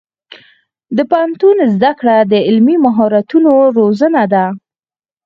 د پوهنتون زده کړه د عملي مهارتونو روزنه ده.